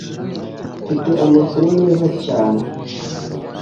Mfite amakuru meza cyane.